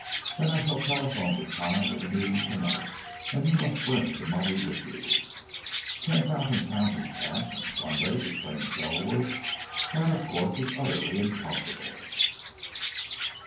Then I shall telephone the time of meeting tonight, and you must bring the money with you." "Ten thousand pounds in cash on Sunday!" exclaimed Selwood. "That, of course, is utterly impossible."